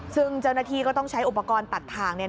ซึ่งเจ้าหน้าที่ก็ต้องใช้อุปกรณ์ตัดทาง